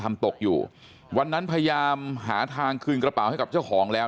ตกอยู่วันนั้นพยายามหาทางคืนกระเป๋าให้กับเจ้าของแล้ว